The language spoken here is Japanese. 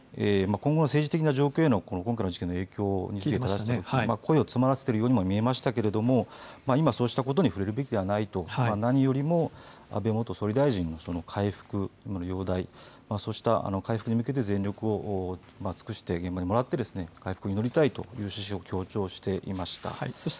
今後の政治的な状況への今回の事件の影響について声を詰まらせているように見えましたが今そうしたことに触れるべきではないと何よりも安倍元総理大臣の回復、容体そうした回復に向けて全力を尽くして現場にもらって回復を祈りたいという趣旨を強調していました。